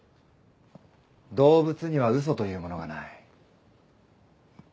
動物には嘘というものがない。